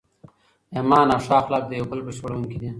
ایمان او ښه اخلاق د یو بل بشپړونکي دي.